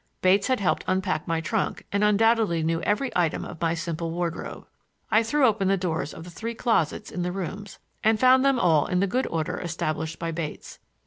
Bates had helped unpack my trunk and undoubtedly knew every item of my simple wardrobe. I threw open the doors of the three closets in the rooms and found them all in the good order established by Bates.